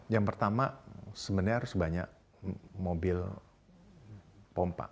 yang pertama sebenarnya harus banyak mobil pompa